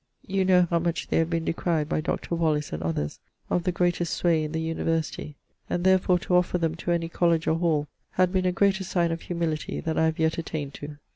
You know how much they have been decryed by Dr. Wallis and others of the greatest sway in the University, and therfore to offer them to any Colledge or Hall had been a greater signe of humility than I have yet attained to.